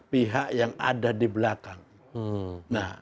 pihak yang ada di belakang